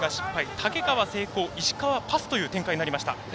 竹川、成功石川パスという展開になりました。